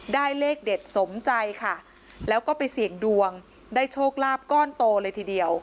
เลขเด็ดสมใจค่ะแล้วก็ไปเสี่ยงดวงได้โชคลาภก้อนโตเลยทีเดียว